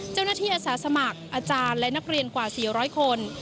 เจ้าหน้าที่อาศาสมัครอาจารย์และนักเรียนกว่า๔๐๐คน